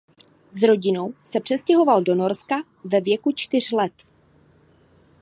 S rodinou se přestěhoval do Norska ve věku čtyř let.